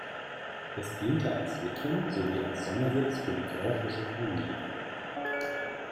Es diente als Witwen- sowie als Sommersitz für die gräfliche Familie.